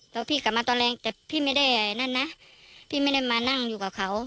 แล้วพี่กลับมาตอนแรงแต่พี่ไม่ได้นั่นนะพี่ไม่ได้มานั่งอยู่กับเขา